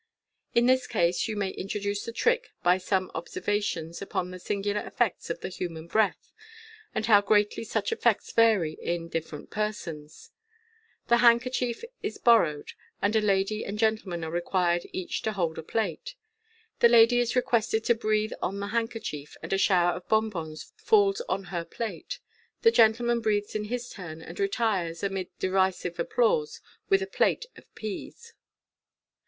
In this case you may intro duce the trick by some observations upon the singular effects of the human breath, and how greatly such effects vary in different persons. A handkerchief is borrowed, and a lady and gentleman are requested each to hold a plate. The lady is requested to breathe on the hand kerchief, and a shower of bonbons falls on her plate. The gentle man breathes in his turn, and retires, amid derisive applause, with a plate of peas.